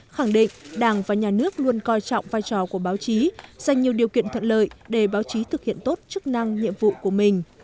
khẳng định đảng và nhà nước luôn coi trọng vai trò của báo chí dành nhiều điều kiện thuận lợi để báo chí thực hiện tốt chức năng nhiệm vụ của mình